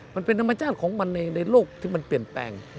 มันเป็นธรรมชาติของมันในโลกที่มันเปลี่ยนแปลง